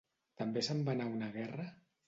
També se'n va anar a una guerra?